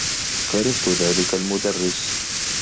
كرهت ذلك المدرّس.